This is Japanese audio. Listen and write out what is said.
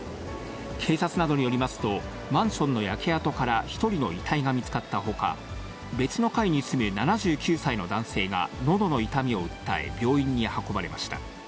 警察などによりますと、マンションの焼け跡から１人の遺体が見つかったほか、別の階に住む７９歳の男性がのどの痛みを訴え、病院に運ばれました。